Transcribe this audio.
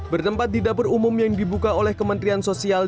bertempat di dapur umum yang dibuka oleh kementerian sosial